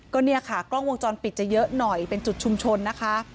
ก็เนี่ยค่ะกล้องวงจรปิดจะเยอะหน่อยเป็นจุดชุมชนนะคะ